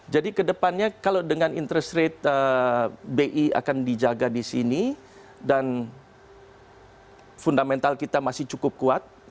jadi ke depannya kalau dengan interest rate bi akan dijaga di sini dan fundamental kita masih cukup kuat